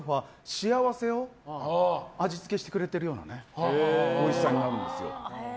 幸せを味付けてくれているような味になるんですよ。